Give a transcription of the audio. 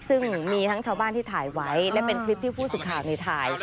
ซึ่งมีทั้งชาวบ้านที่ถ่ายไว้และเป็นคลิปที่ผู้สื่อข่าวในถ่าย